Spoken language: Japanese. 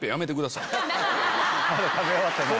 まだ食べ終わってない。